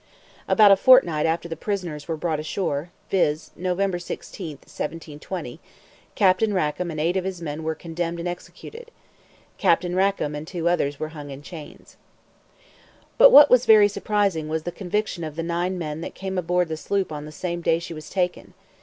About a fortnight after the prisoners were brought ashore, viz. November 16, 1720, Captain Rackam and eight of his men were condemned and executed. Captain Rackam and two others were hung in chains. But what was very surprising, was the conviction of the nine men that came aboard the sloop on the same day she was taken.